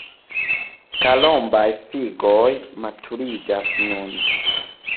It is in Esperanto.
Karombaj figoj maturiĝas nun.